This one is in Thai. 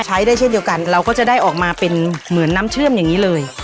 ใช้ได้เช่นเดียวกันเราก็จะได้ออกมาเป็นเหมือนน้ำเชื่อมอย่างนี้เลย